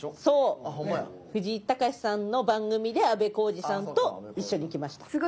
そう藤井隆さんの番組であべこうじさんと一緒に行きました。